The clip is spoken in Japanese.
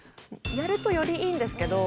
やるとよりいいんですけどでも。